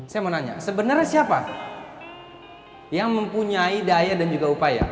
saya mau nanya sebenarnya siapa yang mempunyai daya dan juga upaya